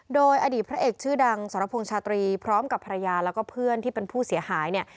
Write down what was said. โดยอดีตพระเอกชื่อดังสรพงษ์ชาตรีพร้อมกับภรรยาแล้วก็เพื่อนที่เป็นผู้เสียหายเนี่ย